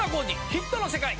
ヒットの世界』。